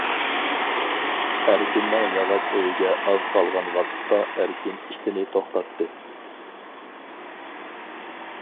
ئەركىننىڭ ياغاچ ئۆيىگە ئاز قالغان ۋاقىتتا ئەركىن ئېتىنى توختاتتى.